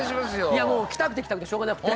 いやもう来たくて来たくてしょうがなくて。